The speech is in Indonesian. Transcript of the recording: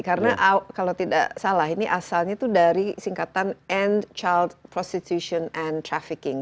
karena kalau tidak salah ini asalnya itu dari singkatan end child prostitution and trafficking